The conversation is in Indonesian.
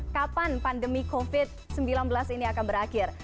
kapan pandemi covid sembilan belas ini akan berakhir